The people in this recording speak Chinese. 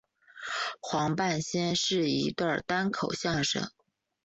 黄半仙是一段单口相声。